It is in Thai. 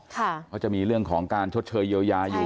เขาจะมีเรื่องของการชดเชยเยียวยาอยู่